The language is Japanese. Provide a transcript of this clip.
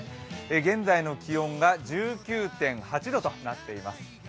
現在の気温が１９．８度となっています。